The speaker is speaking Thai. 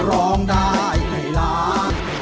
ร้องได้ให้ล้าน